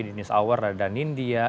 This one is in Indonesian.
di news hour radan india